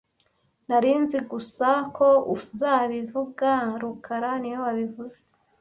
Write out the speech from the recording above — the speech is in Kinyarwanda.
Nari nzi gusa ko uzabivuga rukara niwe wabivuze